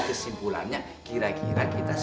g camelat lah mah